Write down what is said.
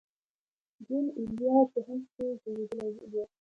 جون ایلیا په هند کې زېږېدلی و